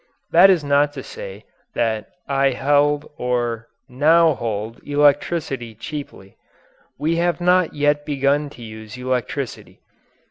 That is not to say that I held or now hold electricity cheaply; we have not yet begun to use electricity.